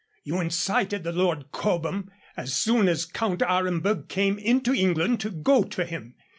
You incited the Lord Cobham, as soon as Count Aremberg came into England, to go to him.